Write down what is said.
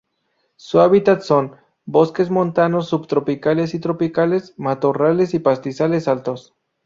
Su hábitat son bosques montanos subtropicales y tropicales, matorrales y pastizales altos.